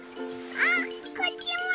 あっこっちも！